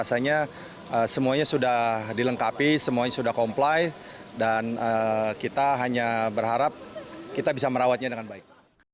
saya merasa berharap kita bisa merawatnya dengan baik